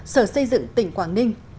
sở xây dựng tỉnh quảng ninh